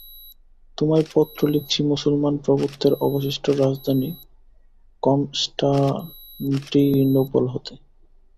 তোমায় পত্র লিখছি মুসলমান-প্রভুত্বের অবশিষ্ট রাজধানী কনষ্টাণ্টিনোপল হতে।